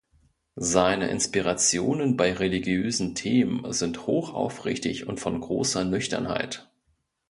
Seine Inspirationen bei religiösen Themen sind hoch aufrichtig und von großer Nüchternheit.